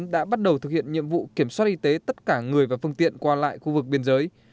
đã bắt đầu thực hiện nhiệm vụ kiểm soát y tế tất cả người và phương tiện qua lại khu vực biên giới